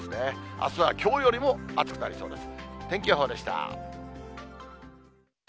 あすはきょうよりも暑くなりそうです。